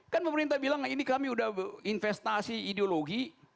kan pemerintah bilang ini kami udah investasi ideologi